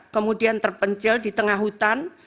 kemudian terpencil di tengah hutan